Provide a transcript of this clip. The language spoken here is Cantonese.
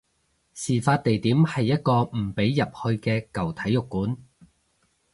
事發地點係一個唔俾入去嘅舊體育館